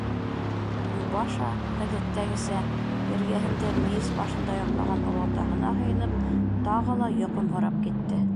Любаша, ғәҙәттәгесә, эргәһендә мейес башында йоҡлаған олатаһына һыйынып, тағы ла йоҡомһорап китте.